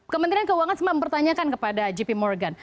kementerian keuangan semua mempertanyakan kepada jp morgan